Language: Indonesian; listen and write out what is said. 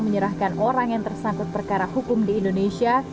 menyerahkan orang yang tersangkut perkara hukum di indonesia